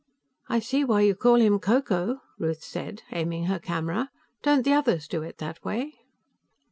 "I see why you call him Ko Ko," Ruth said, aiming her camera, "Don't the others do it that way?"